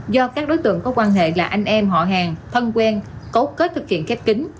do các đối tượng có quan hệ là anh em họ hàng thân quen cấu kết thực hiện khép kính